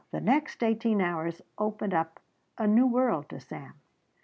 The next eighteen hours opened up a new world to Sam.